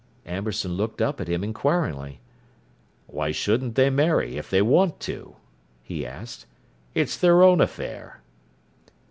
Amberson looked up at him inquiringly. "Why shouldn't they marry if they want to?" he asked. "It's their own affair."